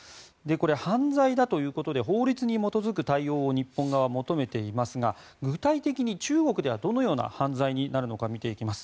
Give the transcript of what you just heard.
犯罪だということで法律に基づく対応を日本側は求めていますが具体的に中国ではどのような犯罪になるのか見ていきます。